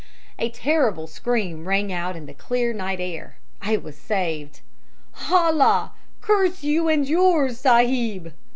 "A terrible scream rang out in the clear night air. I was saved. "'Allah curse you and yours, sahib.'